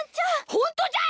ホントじゃい！